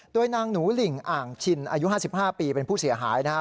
ด้วยนางหนูหลิงอ่างชินอายุห้าสิบห้าปีเป็นผู้เสียหายนะฮะ